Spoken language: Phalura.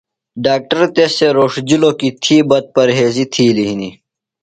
ڈاکٹر تس تھےۡ روݜِجِلوۡ کی تھی بد پاریزیۡ تِھیلیۡ ہِنیۡ۔